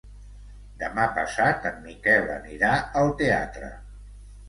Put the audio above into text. Demà passat en Miquel anirà al teatre.